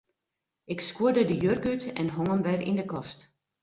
Ik skuorde de jurk út en hong him wer yn 'e kast.